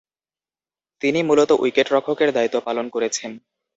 তিনি মূলতঃ উইকেট-রক্ষকের দায়িত্ব পালন করেছেন।